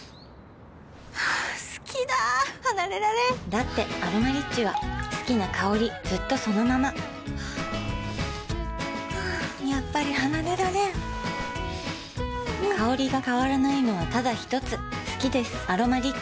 好きだ離れられんだって「アロマリッチ」は好きな香りずっとそのままやっぱり離れられん香りが変わらないのはただひとつ好きです「アロマリッチ」